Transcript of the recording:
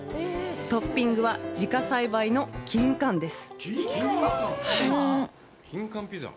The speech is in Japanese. トッピングは自家栽培のキンカンです。